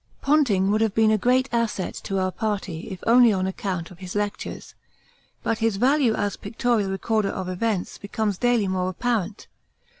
Ponting would have been a great asset to our party if only on account of his lectures, but his value as pictorial recorder of events becomes daily more apparent.